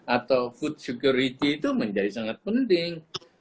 atau food security itu menjadi sangat penting